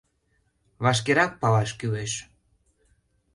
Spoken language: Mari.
Вашкерак палаш кӱлеш.